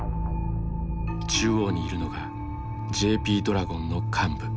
中央にいるのがＪＰドラゴンの幹部。